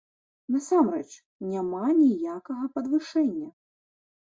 Насамрэч, няма ніякага падвышэння!